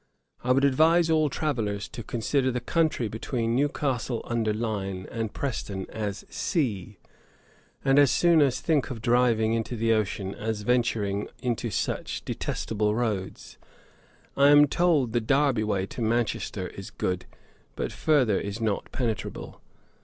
'I would advise all travellers to consider the country between Newcastle under Line and Preston as sea, and as soon think of driving into the ocean as venturing into such detestable roads. I am told the Derby way to Manchester is good, but further is not penetrable.'